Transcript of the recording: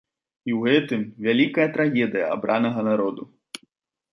І ў гэтым вялікая трагедыя абранага народу.